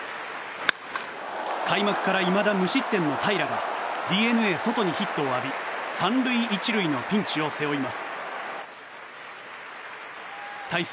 開幕から、いまだ無失点の平良がＤｅＮＡ、ソトにヒットを浴び３塁１塁のピンチを背負います。